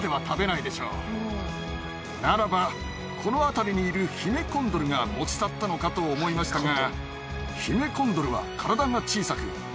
ならばこの辺りにいるヒメコンドルが持ち去ったのかと思いましたが。